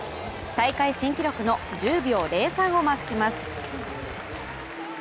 大会新記録の１０秒０３をマークします。